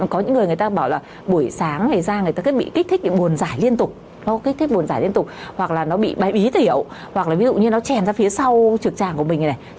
có những người bảo là buổi sáng ngày ra người ta bị kích thích buồn giải liên tục hoặc là nó bị bái bí thiểu hoặc là nó chèm ra phía sau trực tràng của mình